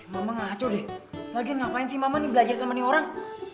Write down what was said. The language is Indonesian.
mama ngacu deh lagi ngapain sih mama nih belajar sama nih orang